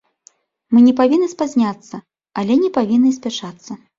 Мы не павінны спазняцца, але не павінны і спяшацца.